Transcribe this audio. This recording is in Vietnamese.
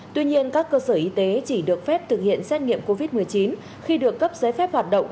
tuy nhiên các cơ sở y tế chỉ được phép thực hiện xét nghiệm covid một mươi chín khi được cấp giấy phép hoạt động